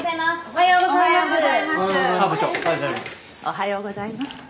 おはようございます。